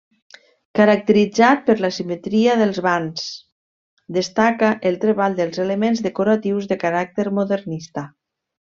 Caracteritzat per la simetria dels vans, destaca el treball dels elements decoratius de caràcter modernista.